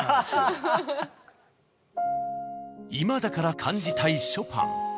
今だから感じたいショパン。